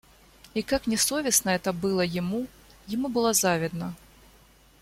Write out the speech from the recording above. И, как ни совестно это было ему, ему было завидно.